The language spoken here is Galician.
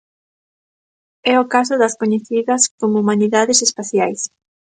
É o caso das coñecidas como humanidades espaciais.